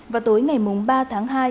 vào tối ngày ba tháng hai